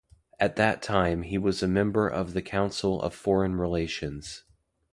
At that time, he was a member of the Council of Foreign Relations.